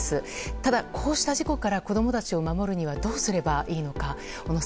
ただ、こうした事故から子供たちを守るにはどうすればいいのか。